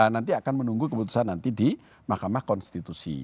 nanti akan menunggu keputusan nanti di mahkamah konstitusi